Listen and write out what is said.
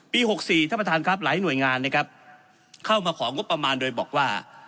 ๖๔ท่านประธานครับหลายหน่วยงานนะครับเข้ามาของงบประมาณโดยบอกว่า